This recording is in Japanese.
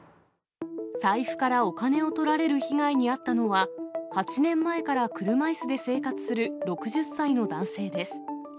財布からお金をとられる被害に遭ったのは、８年前から車いすで生活する６０歳の男性です。